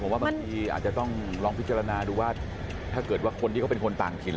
ว่าบางทีอาจจะต้องลองพิจารณาดูว่าถ้าเกิดว่าคนที่เขาเป็นคนต่างถิ่น